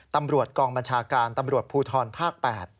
ตำรวจกองบัญชาการตำรวจภูทรภาค๘